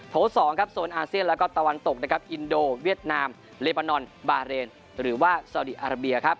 ๒ครับโซนอาเซียนแล้วก็ตะวันตกนะครับอินโดเวียดนามเลบานอนบาเรนหรือว่าซาดีอาราเบียครับ